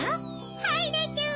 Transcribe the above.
はいでちゅ！